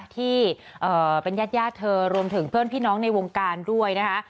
ที่เป็นญาติญาติเธอรวมถึงเพื่อนพี่น้องในวงการด้วยนะคะ